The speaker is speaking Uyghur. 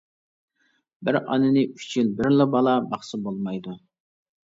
بىر ئانىنى ئۈچ يىل بىرلا بالا باقسا بولمايدۇ.